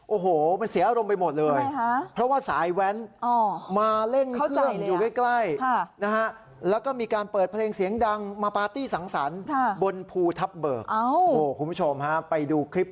โอ้โหมันเสียอารมณ์ไปหมดเลยเพราะว่าสายแว้นมาเล่งเครื่องอยู่ใกล้